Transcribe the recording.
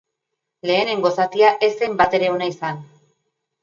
Lehenengo zatia ez zen batere ona izan.